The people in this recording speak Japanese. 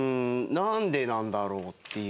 なんでなんだろうっていう。